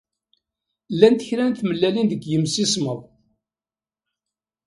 Llant kra n tmellalin deg yimsismeḍ.